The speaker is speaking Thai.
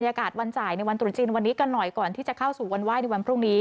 อากาศวันจ่ายในวันตรุษจีนวันนี้กันหน่อยก่อนที่จะเข้าสู่วันไห้ในวันพรุ่งนี้